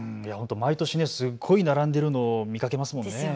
毎年、すごい並んでるのを見かけますもんね。